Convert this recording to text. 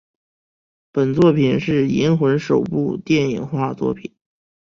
本作品是银魂首部电影化的作品。